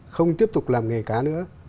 không tiếp tục làm nghề cá nữa